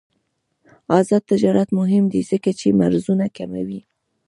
آزاد تجارت مهم دی ځکه چې مرزونه کموي.